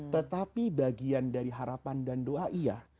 tetapi bagian dari harapan dan doa iya